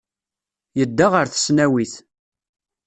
Yedda ɣer tesnawit.